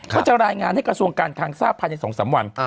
เขาจะรายงานให้กระทรวงการทางทราบภัณฑ์ใน๒๓วัน